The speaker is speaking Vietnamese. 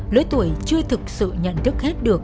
lưới tuổi chưa thực sự nhận thức hết được